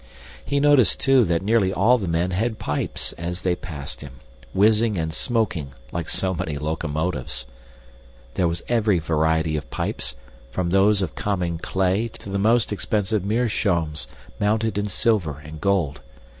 He noticed, too, that nearly all the men had pipes as they passed him, whizzing and smoking like so many locomotives. There was every variety of pipes, from those of common clay to the most expensive meerschaums mounted in silver and gold.